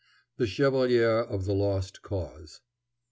THE CHEVALIER OF THE LOST CAUSE.